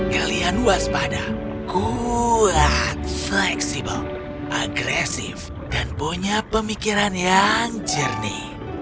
kalian waspada kuat fleksibel agresif dan punya pemikiran yang jernih